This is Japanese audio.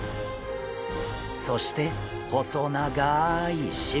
そして細長い尻尾！